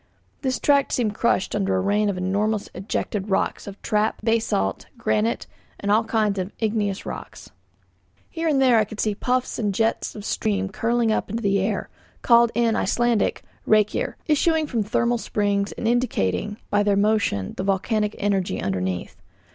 This tract seemed crushed under a rain of enormous ejected rocks of trap, basalt, granite, and all kinds of igneous rocks. Here and there I could see puffs and jets of steam curling up into the air, called in Icelandic 'reykir,' issuing from thermal springs, and indicating by their motion the volcanic energy underneath.